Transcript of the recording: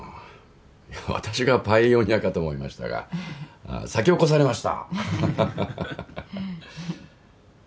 私がパイオニアかと思いましたが先を越されました。